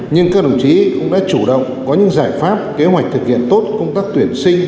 nhưng các đồng chí cũng đã chủ động có những giải pháp kế hoạch thực hiện tốt công tác tuyển sinh